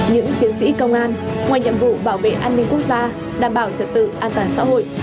những chiến sĩ công an ngoài nhiệm vụ bảo vệ an ninh quốc gia đảm bảo trật tự an toàn xã hội